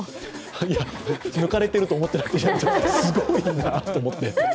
いや、抜かれてると思ってなくてすごいなと思って。